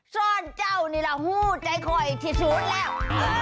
สอนเจ้านี่ล่ะหู้ใจคอยที่สูตรแล้ว